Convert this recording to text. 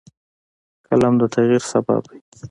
قلم د تغیر سبب دی